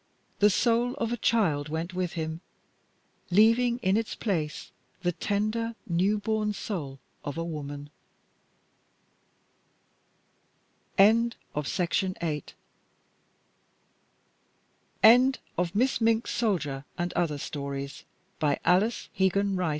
The soul of a child went with him, leaving in its place the tender, newborn soul of a woman. End of the Project Gutenberg EBook of Miss Mink's Soldier and Other Stories by Alice Hegan R